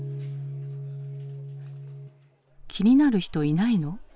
「気になる人いないの？」